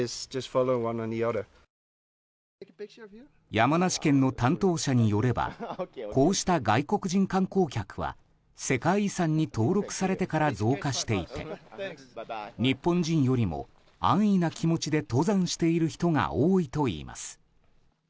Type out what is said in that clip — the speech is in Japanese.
山梨県の担当者によればこうした外国人観光客は世界遺産に登録されてから増加していて日本人よりも安易な気持ちで登山している人が多いといいます。